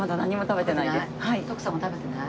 徳さんも食べてない？